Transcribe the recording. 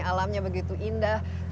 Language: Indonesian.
alamnya begitu indah